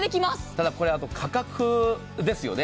ただこれ、価格ですよね。